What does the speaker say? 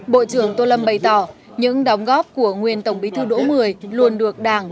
bộ trưởng tô lâm bày tỏ những đóng góp của nguyên tổng bí thư đỗ mười luôn được đảng